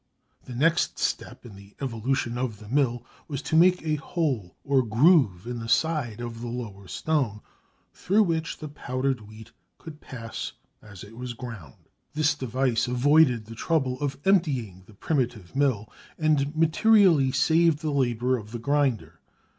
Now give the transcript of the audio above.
The next step in the evolution of the mill was to make a hole or groove in the side of the lower stone through which the powdered wheat could pass as it was ground. This device avoided the trouble of emptying the primitive mill, and materially saved the labour of the grinder.